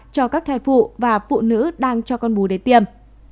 cho các thai phụ và phụ nữ đang cho con bú đến tiêm